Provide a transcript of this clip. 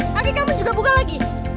tapi kamu juga buka lagi